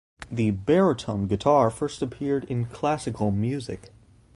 The baritone guitar first appeared in classical music.